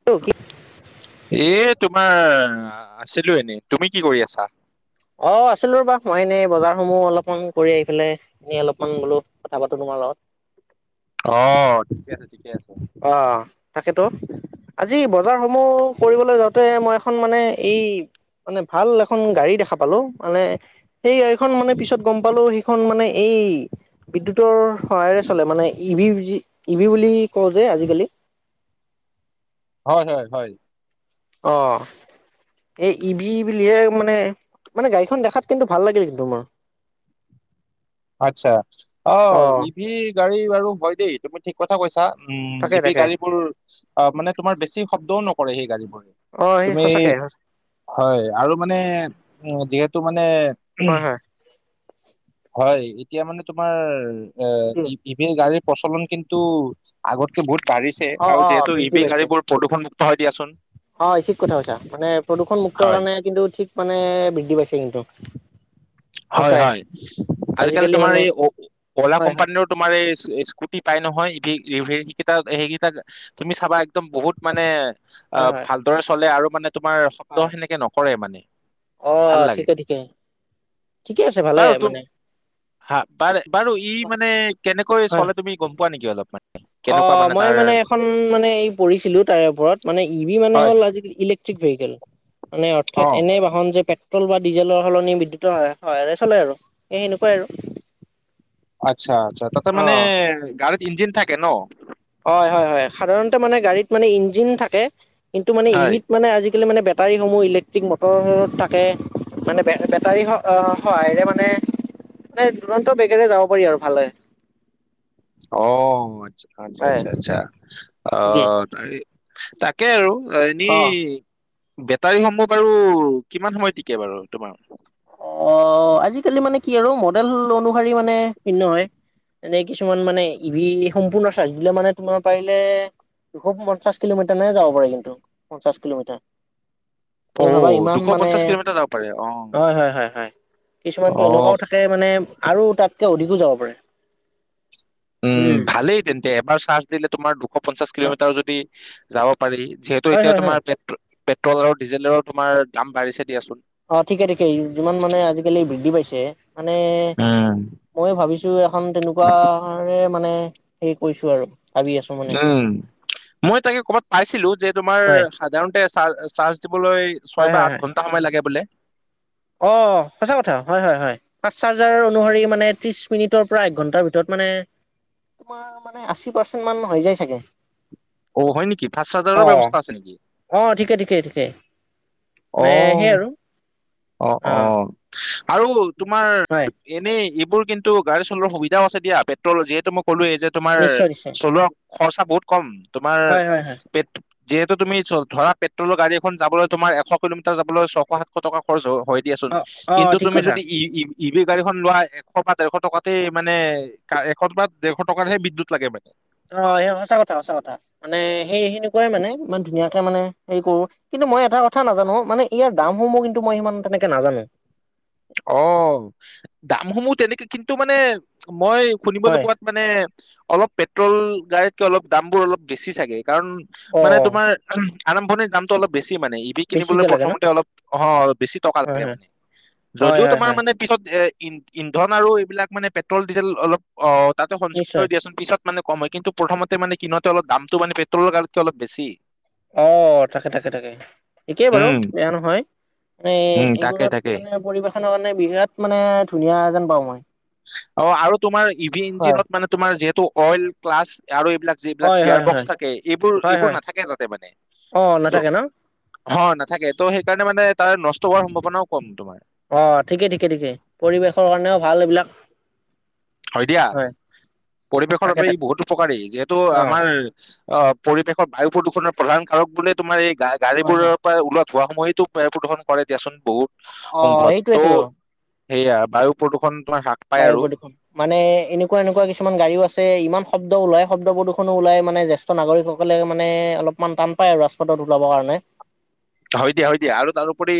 [unintelligible] এ তোমাৰ আছিলো এনে, তুমি কি কৰি আছা? অঁ আছিলো ৰ'বা মই এনেই বজাৰসমূহ অলপমান কৰি আহি পেলাই এনেই অলপমান বোলো কথা পাতো তোমাৰ লগত। অ্ঁ ঠিকে আছে ঠিকে আছে। অ্ তাকেতো। আজি বজাৰ সমূহ কৰিবলে যাওঁতে মই এখন এই মানে ভাল এখন গাড়ী দেখা পালো মানে সেই গাড়ীখন মানে পিছত গম পালো সেইখন মানে এই বিদ্যুতৰ সহায়ৰে চলে মানে ই ভি, ইভি বুলি কওঁ যে আজিকালি। হয় হয় হয়। অঁ। এই ইভি বুলিহে মানে, মানে গাড়ীখন দেখাত কিন্তু ভাল লাগিল কিন্তু মোৰ। [inaudible] আচ্ছা অ' ইভি গাড়ী বাৰু হয় দেই! তুমি ঠিক কথা কৈছা। উম' তাকে ই পি তাকে গাড়ীবোৰ অ' মানে তোমাৰ বেছি শব্দও নকৰে সেই গাড়ীবোৰ। অ সেই তুমি, সঁচাকে হয় আৰু মানে উ যিহেতু মানে হয় হয়। হয় এতিয়া মানে তোমাৰ এ্ ঠিকেই ই ভি গাড়ীৰ প্ৰচলন কিন্তু আগতকে বহুত বাঢ়িছে অ আৰু অ যিহেতু বৃদ্ধি ইভি পাইছে গাড়ীবোৰ প্ৰদূষণ মুক্ত হয় দিয়াচোন। হয় ঠিক কথা কৈছা, মানে প্ৰদূষণ মুক্ত হয় কাৰণে কিন্তু ঠিক মানে বৃদ্ধি পাইছে কিন্তু। হয় সঁচাই হয়, আজিকালি তোমাৰ এই অ-অ'লা হয় হয় কোম্পানীটোত তোমাৰ এই স্কুটি পাই নহয় সেইকেইটা সেইকেইটা তুমি চাবা একদম বহুত মানে হয় অ' হয় ভালদৰে চলে আৰু মানে তোমাৰ শব্দ হয় সেনেকে নকৰে মানে, অ ভাল লাগে। ঠিকে ঠিকে ঠিকে আছে ভালে বাৰু তুম মানে হা বাৰে বাৰু ই মানে কেনেকৈ হয় চলে তুমি গ'ম পোৱা নেকি অলপমান? অ' মই মানে এখন মানে এই পঢ়িছিলো তাৰে ওপৰত মানে ই ভি মানে হয় হ'ল আজিকালি ইলেক্ট্ৰিক ভেহিকেল। মানে অ অৰ্থাৎ এনে বাহন যে তাক ট্ৰল বা ডিজেলৰ সলনি বিদ্যুতৰ স সহায়ৰে চলে আৰু, এই সেনেকুৱা আৰু। আচ্ছা আচ্ছা, তাতে মানে অ গাড়ীত ইঞ্জিন থাকে ন'? হয় হয় হয় সাধাৰণতে মানে গাড়ীত মানে ইঞ্জিন থাকে কিন্তু মানে হয় ইবিধ মানে আজিকালি মানে বে- টাৰি সমূহ, ইলেক্ট্ৰিক মটৰসহ থাকে। মানে বেটাৰী সহায়ৰে মানে, মানে দুৰন্ত বেগেৰে যাব পাৰি আৰু ভালে। অ' আচ্ছা আচ্ছা হয় আচ্ছা আচ্ছা, ঠিকেই আহ তাৰে তাকে আৰু এ-নি অ বেটাৰীসমূহ বাৰু কিমান সময় টিকে বাৰু তোমাৰ? অ্' আজিকালি মানে কি আৰু মডেল অনুসাৰি মানে ভিন্ন হয়। এনে কিছুমান মানে ইভি সম্পূৰ্ণ চাৰ্জ দিলে মানে তোমাৰ পাৰিলে দুশ পঞ্চাশ কিলোমিটাৰলেহে যাব পাৰিলো তো, পঞ্চাশ কিলোমিটাৰ। তুমি ভাবা ইমান মানে তাকে অঁ। হয় হয় হয় হয়, কিছুমানটো এনেকুৱাও থাকে মানে আৰু তাতকে অধিকো যাব পাৰে। উম' ভালেই তেন্তে এবাৰ চাৰ্জ দিলে তোমাৰ দুশ পঞ্চাশ অ কিলোমিটাৰ যদি যাব পাৰি যিহেতু হয় এতিয়া হয় হয় তোমাৰ পেট্ৰ- পেট্ৰল আৰু ডিজেলৰ তুমাৰ দাম বাঢ়িছে দিয়াচোন। অ ঠিকে ঠিকে। যিমান মানে আজিকালি বৃদ্ধি পাইছে মানে উম মইয়ো ভাবিছো এখন তেনেকুৱাৰে মানে কৈছো আৰু। ভাবি আছো মানে। উম মই তাকে ক'বাত পাইছিলো যে তোমাৰ হয় সাধাৰণতে চাৰ চাৰ্জ দিবলৈ হয় ছয় বা হয় হয় আঠ ঘন সময় লাগে বোলে। অ সঁচা কথা হয়, হয়, হয়। ফাষ্ট চাৰ্জাৰ অনুসৰি মানে ত্ৰিশ মিনিটৰ পৰা এক ঘণ্টাৰ ভিতৰত মানে তোমাৰ মানে আশী পাৰ্চেন্ট মান হৈ যায় চাগে। অ হয় নেকি ফাষ্ট অ চাৰ্জাৰৰ ব্যৱস্থা আছে নেকি? অ ঠিকে ঠিকে ঠিকে মানে সেই অ' আৰু। অ আৰু তোমাৰ হয় এনেই এইবোৰ কিন্তু গাড়ী চলোৱাৰ সুবিধাও আছে দিয়া। পেট্ৰল যিহেতু মই ক'লোৱে এই যে তোমাৰ নিশ্চয় নিশ্চয় চলোৱা খৰচা বহুত কম, তোমাৰ হয় হয় হয়। পেট যিহেতু তুমি ধৰা পেট্ৰলৰ গাড়ী এখন যাবলৈ তোমাৰ এশ কিলোমিটাৰ যাবলৈ ছয়শ সাতশ টকা খৰচ হয় দিয়া চোন। অ অ কিন্তু ঠিক তুমি কৈছা যদি ই ই ভি গাড়ীখন লোৱা এশ বা ডেৰশ টকাতে মানে এশ বা ডেৰশ টকাৰহে বিদ্যুত লাগে মানে। অ সেই সঁচা কথা সঁচা কথা মানে সেই সেনেকুৱাই মানে ইমান ধুনীয়াকে মানে হেৰি কৰো। কিন্তু মই এটা কথা নাজানো, মানে ইয়াৰ দামসমূহ কিন্তু মই ইমান তেনেকে নাজানো। অ দামসমূহ তেনেকে কিন্তু মানে মই শুনিবলৈ হয় পোৱাত মানে অলপ পেট্ৰল গাড়ীতকে অলপ দামবোৰ অলপ বেছি চাগে। কাৰণ অ মানে তোমাৰ আৰম্ভণিৰ দামটো অলপ বেছি মানে কিনিবলে বেছিকে লাগে ন প্ৰথমতে অলপ অ বেছি টকা হয় লাগে হয় মানে। হয় যদিও হয় তোমাৰ হয় মানে পিছত এ ইন্ধন আৰু এইবিলাক মানে পেট্ৰল ডিজেল অলপ অ তাতে সঞ্চয় নিশ্চয় হয় দিয়াচোন, পিছত মানে কম হয়, কিন্তু প্ৰথমতে মানে কিনোতে অলপ দামটো মানে পেট্ৰলৰ গাড়ীতকে অলপ বেছি। অ তাকে তাকে তাকে একেই বাৰু উম বেয়া নহয়। মানে উম তাকে এইবোৰত তাকে মানে পৰিবেশনৰ বিৰাট মানে ধুনীয়া যেন পাওঁ মই। অ আৰু তোমাৰ ই ভি হয় ইঞ্জিনত মানে তোমাৰ যিহেতু অইল প্লাছ আৰু এইবিলাক যিবিলাক হয় গিয়াৰ হয় হয় বক্স থাকে এইবোৰ হয় এইবোৰ হয় নাথাকে তাতে মানে। অ ত নাথাকে ন হ নাথাকে ত' সেইকাৰণে মানে তাৰ নষ্ট হোৱাৰ সম্ভাৱনাও কম তোমাৰ। অ' ঠিকে ঠিকে ঠিকে। পৰিবেশৰ কাৰণেও ভাল এইবিলাক। হয় দিয়া, পৰিৱেশৰ তাকে বাবে ই তাকে বহুত উপকাৰী, যিহেতু অ আমাৰ অ পৰিৱেশৰ বায়ু প্ৰদূষণৰ প্ৰধান কাৰক বোলে তোমাৰ এই হয় হয় গাড়ীবোৰৰ পৰা ওলোৱা ধোঁৱাসমূহেইতো বায়ু প্ৰদূষণ কৰে দিয়াচোন বহুত অ অংশত। সেইটোয়েতো ত' সেয়া বায়ু প্ৰদূষণ তোমাৰ হ্ৰাস পায় বায়ু আৰু প্ৰদূষণ। মানে এনেকুৱা এনেকুৱা কিছুমান গাড়ীও আছে। ইমান শব্দ ওলাই শব্দ প্ৰদূষণো ওলাই মানে জে জ্যেষ্ঠ নাগৰিকসকলে মানে অলপমান টান পায় আৰু ৰাজপথত ওলাবৰ কাৰণে। হয় দিয়া, হয় দিয়া আৰু তাৰোপৰি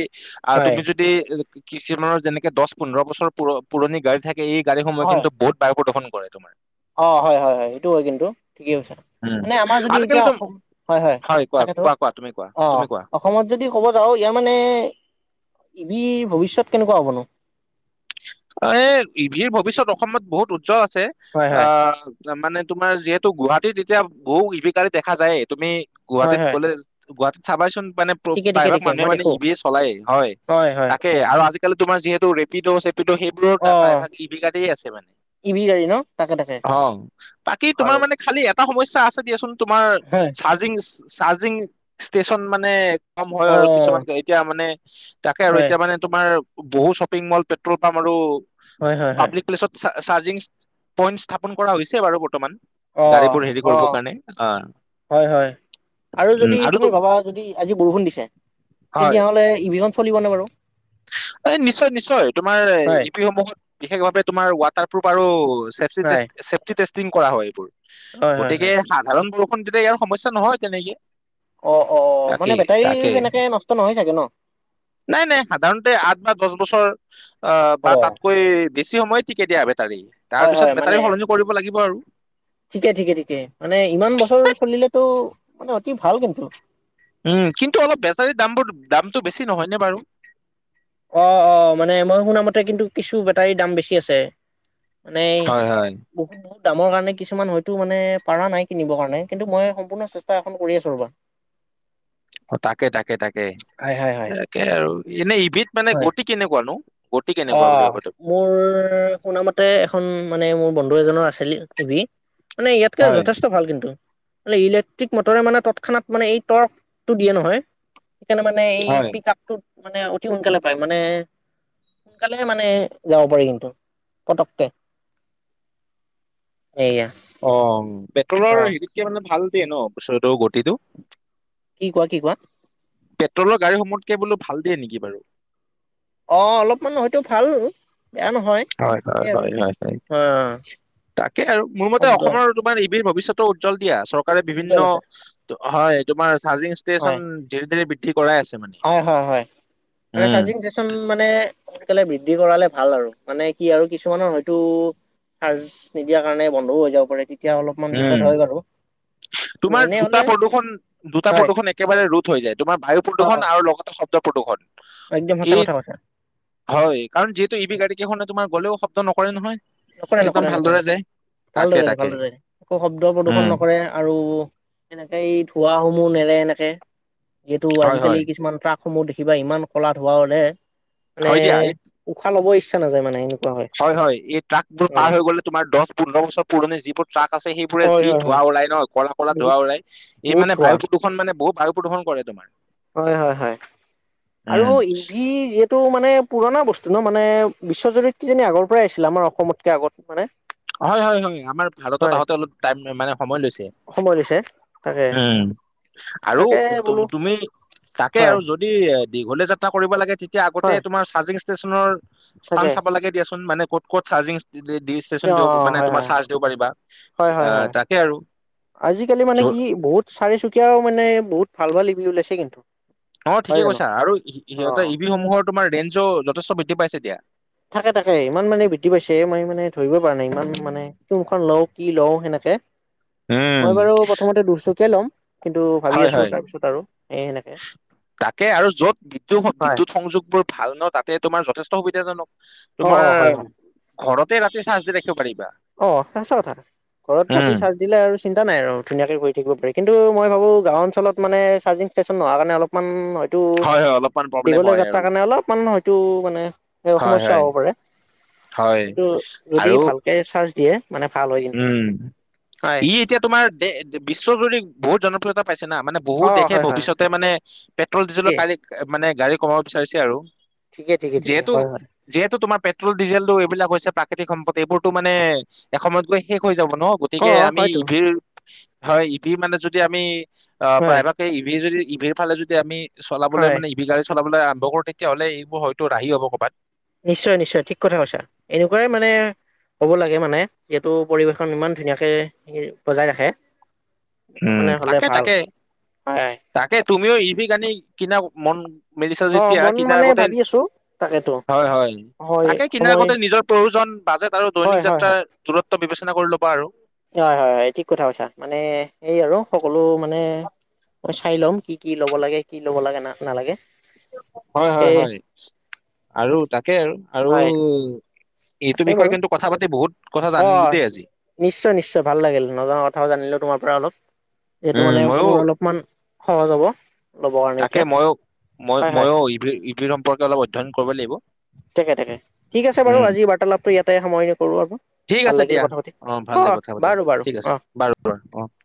আহ হয় তুমি যদি দি কিছুমানৰ যেনেকে দশ পোন্ধৰ বছৰ পুৰণি গাড়ী থাকে এই গাড়ীসমূহে হয় কিন্তু বহুত বায়ু প্ৰদূষন কৰে তোমাৰ। অ হয়, হয়, হয়, সেইটো হয় কিন্তু, ঠিকেই কৈছা। উম, মানে আমাৰ যদি এতিয়া আজিকালি তুম অসম, হয় হয় কোৱা তাকেতো কোৱা কোৱা তুমি কোৱা অ তুমি কোৱা অসমত যদি ক'ব যাওঁ ইয়াৰ মানে ই ভিৰ ভৱিষ্যত কেনেকুৱা হ'বনো? এই ই ভিৰ ভৱিষ্যত অসমত বহুত উজ্জ্বল আছে। হয় হয় আহ মানে তোমাৰ যিহেতু গুৱাহাটীত এতিয়া বহু ই ভি গাড়ী দেখা যায়ে। তুমি হয় গুৱাহাটীত হয় গ'লে গুৱাহাটীত চাবাচোন মানে ঠিকে ঠিকে প্ৰায়ভাগ ঠিকে মানুহে মই মানে দেখো ই ভি এ চলাই হয়। তাকে আৰু আজিকালি তোমাৰ যিহেতু ৰেপিড' চে সেইবোৰৰ অ প্ৰায়ভাগ ই ভি গাড়ীয়ে আছে মানে। ই ভি গাডী ন, তাকে তাকে। অঁ, বাকী তোমাৰ আৰু মানে খালি এটা সমস্যা আছে দিয়াচোন তোমাৰ হয় চাৰ্জিং চাৰ্জিং ষ্টেচন মানে কম হয় অ আৰু, কিছুমান গাড়ী এতিয়া মানে তাকে আৰু হয় এতিয়া মানে তোমাৰ বহু শ্বপিং মল, পেট্ৰল পাম্প আৰু হয় হয় হয় পাব্লিক প্লেচত চা চাৰ্জিং পইন্ট স্থাপন কৰা হৈছে বাৰু বৰ্তমান। অ গাড়ী বোৰ হেৰি অ কৰিবৰ কাৰণে অঁ। হয় হয় আৰু যদি তুমি তো- ভাবা যদি আজি বৰষুণ দিছে, হয় তেতিয়াহ'লে ই ভি খন চলিবনে বাৰু? এই নিশ্চয় নিশ্চয় তোমাৰ হয় ই ভি সমূহত বিশেষভাৱে তোমাৰ ৱাটাৰপ্ৰুফ আৰু হয় টেষ্ট চেফটি টেষ্টিটিং কৰা হয় এইবোৰ। হয় হয় গতিকে হয় ধাৰণ বৰষুণ দিলে যেতিয়া ইয়াৰ সমস্যা নহয় তেনেকে। অ অ তাকে মানে বেটাৰী তাকে যেনেকে নষ্ট নহয় চাগে ন। নাই নাই সাধাৰণতে আঠ বা দশ বছৰ আহ অ বা তাত কৈ বেছি সময় ঠিকে দিয়া বেটাৰী তাৰ হয় হয় পিছত মানে বেটাৰী সলনি কৰিব লাগিব আৰু। ঠিকে ঠিকে ঠিকে মানে ইমান বছৰ চলিলেতো মানে অতি ভাল কিন্তু। উম, কিন্তু অলপ বেটাৰীৰ দামবোৰ দামটো বেছি নহয়নে বাৰু? অঁ অঁ, মানে মই শুন মতে কিন্তু কিছু বেটাৰীৰ দাম বেছি আছে। মানে হয় হয় বহুত বুত দামৰ কাৰণে কিছুমান হয়তো মানে পাৰা নাই কিনিবৰ কাৰণে। কিন্তু মই সম্পূৰ্ণ চেষ্টা এখন কৰি আছো ৰবা। অ তাকে তাকে তাকে হয় হয় হয় তাকেই আৰু এনেই ইভিত মানে গতি কেনেকুৱানো? গতি কেনেকুৱা বুলি অঁ, ভাবা তুমি মোৰ শুনামতে এখন মানে মোৰ বন্ধু এজনৰ আছিল ইভিত। মানে ইয়াতকে হয় যথেষ্ট ভাল কিন্তু। মানে ইলেক্ট্ৰিক মটৰে মানে তৎক্ষণাত মানে এই টৰ্কটো দিয়ে নহয়। সেইকাৰণে মানে এই হয় পিক আপ টোত মানে অতি সোনকালে পায় মানে, সোনকালে মানে যাব পাৰি কিন্তু পটককে। সেইয়া। অঁ পেট্ৰলৰ ইভিতকে মানে ভাল দেই ন ইস্পিদৰ গতিটো। কি কোৱা কি কোৱা? পেট্ৰলৰ গড়ীসমূতকে বোলো ভাল দিয়ে নেকি বাৰু? অঁ অলপমান হয়তো ভাল, বেয়া নহয়। হয় সেই আৰু হয় হয়, অ', তাকে আৰু মোৰ মতে শব্দ অসমৰ তোমাৰ ই ভি ভৱিষ্যতৰ উজ্জ্বল দিয়া চৰকাৰে বিভিন্ন উজ্জ্বল আছে হয় তোমাৰ চাৰ্জিং ষ্টেচন হয়, ধীৰে ধীৰে বিদ্ধি কৰাই‌ আছে মানে। হয় হয় হয়, মানে উম চাৰ্জিং ষ্টে চন মানে সোনকালে বৃদ্ধি কৰালে ভাল আৰু, মানে কি আৰু কিছুমানৰ হয়তো চাৰ্জ নিদিয়াৰ কাৰণে বন্ধও হৈ যাব পাৰে। তেতিয়া অলপমান বিপদ উম, হয় বাৰু ত তোমাৰ এনে দুটা হলে প্ৰদূশন দুটা হয় প্ৰদূৰ্শন এক একেবাৰে ৰোধ হৈ যায়। তোমাৰ বায়ু অ অ প্ৰদূৰষণ আৰু লগতে শব্দ প্ৰদূষণ। একদম সঁচা এই কথা কৈছা। হয় কাৰণ যিহেতু ই বি গাড়ী কেইখনে তোমাৰ গ'লেও শব্দ নকৰে নহয় নকৰে একদম নকৰে নকৰে ভালদৰে যায় তাকে ভালদৰেহে তাকে ভালদ [unintelligible] কো শব্দ প্ৰদূ্ষন উম নকৰে আৰু এনেকে এই ধোঁৱা সমূহ নেৰে এনেকে যিহেতু হয় হয় আজিকালি কিছুমান ট্ৰাকসমূহ দেখিবা ইমান ক'লা ধোৱা ওলে মানে হয় দিয়া এই উশাহ ল'ব ইচ্ছা নাযায় মানে এনেকুৱা হয়। হয় হয় এই ট্ৰাক বোৰ অ পাৰ হৈ গ'লে তোমাৰ দছ-পোন্ধৰ বছৰ পুৰণি যিবোৰ ট্ৰাক আছে সেই বোৰে হয় যি হয় ধোঁৱা হয় ওলাই ন ক'লা ক'লা ধোৱা বহুত ওলাই এই বহুত মানে ধোঁৱা বায়ু প্ৰদূষণ মানে বহু বায়ু প্ৰদূষণ কৰে তোমাৰ হয়, হয়, হয় আৰু উম ই ভি যিহে টো মানে পুৰণা বস্তু ন মানে বিশ্বজুৰিত কিজানি আগৰ পৰাই আছিল আমাৰ অসমতকে আগত হয়নে হয়, হয়, হয় আমাৰ ভাৰতত আহোঁতে অলপ টাইম মে মানে সময় লৈছে। সময় লৈছে তাকে উম আৰু তাকে বোলো তুম-তুমি তাকে হয় আৰু যদি দীঘলে যাত্ৰা কৰিব লাগে তি তিয়া আগতে হয় তোমাৰ চাৰ্জিং ষ্টেচনৰ তাকে স্থান চাব লাগে দিয়াচোন মানে ক'ত ক'ত চাৰ্জিং [unintelligible] দিছ ষ্টেচন অ দিঅব মানে হয় তোমাৰ হয় চাৰ্জ দিব পাৰিবা হয় আ হয় হয় তাকে আৰু আজিকালি মানে কি য'ৰ বহুত চাৰিচুকীয়াও মানে বহুত ভাল ভাল ই ভি ওলাইছে কিন্তু অঁ হয় ঠিকে জানো কৈছা আৰু অ ই-সিহঁতৰ ই ভি সমূহৰ তোমাৰ ৰেঞ্জো যথেষ্ট বৃদ্ধি পাইছে এতিয়া। থাকে তাকে ইমান মানে বৃদ্ধি পাইছে মই মানে ধৰিব পৰা নাই ইমান মানে কোনখন লওঁ, কি লওঁ সেনেকে উম! মই বাৰু প্ৰথমতে দুচকীয়া ল'ম, কিন্তু ভাবি হয়, আছো হয়। তাৰপিছত আৰু এ সেনেকে তাকে আৰু য'ত হয় বিদ্যু-স-বিদ্যুত সংযোগ বোৰ ভাল ন তাতে তোমাৰ যথেষ্ট সুবিধাজনক, অ তোমাৰ অ হয় হয় ঘৰতে ৰাতি চাৰ্জ দি ৰাখিব পাৰিবা, অ সঁচা কথা ঘৰত ৰাতি উম চাৰ্জ দিলে আৰু চিন্তা নাই আৰু ধুনীয়াকে বহি থাকিব পাৰি কিন্তু মই ভাৱোঁ গাঁও অঞ্চলত মানে চাৰ্জিং ষ্টেচন নোহোৱা কাৰণে অলপ মান হয়তো হয়, হয় অলপমান প্ৰব্লেম দীঘলীয়া হয় যাত্ৰা আৰু। কাৰণে অলপমান হয়তো মানে এওঁ হয়, হয়, সমস্যা হ'ব পাৰে। হয় কিন্তু যদি আৰু ভালকে চাৰ্জ দিয়ে মানে ভাল হয় কিন্তু, হয় তিয়া তোমাৰ দে-এ বিশ্বজুৰি বহুত জনপ্ৰিয়তা পাইছে না মানে বহু অ দেশে হয় হয় ভৱিষ্যতে মানে পেট্ৰল-ডিজেলৰ ঠিকেই কালি এ মানে গাড়ী কমাব বিচাৰিছে আৰু ঠিকে ঠিকে ঠিকে যিহেতু হয় হয় যিহেতু তোমাৰ পেট্ৰল ডিজেলটো এইবিলাক হৈছে প্ৰাকৃতিক সম্পদ এইবোৰতো মানে এসময়ত গৈ শেষ হৈ যাব ন অ গতিকে আমি হয়তো ই ভিৰ হয় ই ভি মানে যদি আমি অ হয় প্ৰায়ভাগে ই ভি যদি ইভিৰ ফালে যদি আমি চলাবলৈ হয় মানে ই ভি গাড়ী চলাবলৈ আৰম্ভ কৰো তেতিয়াহ'লে এইবোৰ হয়তো ৰাহি হব ক'বাত। নিশ্চয়, নিশ্চয় ঠিক কথা কৈছা এনেকুৱাই মানে হ'ব লাগে মানে যিহেতু পৰিৱেশন ইমান ধুনীয়াকে বজাই ৰাখে। উম মানে হ'লে তাকে, ভাল তাকে, হয় তাকে তুমিও ই ভি গানি কিনা মন মেলিছা অ যেতিয়া মন কিনাৰ মানে আগতে ভাবি আছো তাকেতো হয় হয় হয় তাকে কিনাৰ সময় আগতে নিজৰ প্ৰয়োজন বাজেট আৰু দৈনিক হয় হয় হয় যাত্ৰাৰ দূৰত্ব বিবেচনা কৰি ল'বা আৰু হয়, হয়, হয়, ঠিক কথা কৈছা মানে এই আৰু সকলো মানে মই চাই ল'ম কি কি ল'ব লাগে, কি ল'ব লাগে না নালাগে হয়, তাকে হয়, হয় আৰু তাকে আৰু আৰু হয় এইটো তাকে বিষয়ে বাৰু কিন্তু কথা পাতি বহুত কথা অ, জানিলো দেই আজি। নিশ্চয় নিশ্চয় ভাল লাগিল, নজনা কথাওঁ জানিলো তোমাৰ পৰা অলপ এইটো উম মানে ময়ো মোৰ অলপমান সহজ হ'ব। ল'ব কাৰণে তাকে এতিয়া ময়ো মই হয় হয় ময়ো ইভিৰ, ইভিৰ সম্পৰ্কে অলপ অধ্যয়ন কৰিব লাগিব। তাকে তাকে ঠিক আছে বাৰু উম। আজি বাৰ্তালাপটো ইয়াতে সামৰণি কৰোঁ আৰু, ঠিক ভাল আছে দিয়া লাগিলে কথা পাতি। ভাল লাগিল অ' কথা পাতি বাৰু বাৰু ঠিক অ'। [unintelligible]